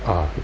ở thực tế